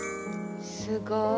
すごい。